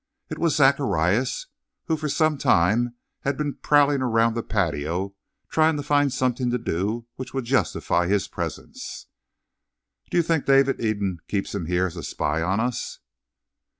It was Zacharias, who for some time had been prowling around the patio trying to find something to do which would justify his presence. "Do you think David Eden keeps him here as a spy on us?"